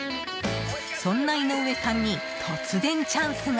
そんな井上さんに突然、チャンスが。